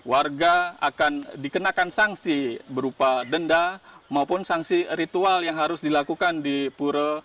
warga akan dikenakan sanksi berupa denda maupun sanksi ritual yang harus dilakukan di pura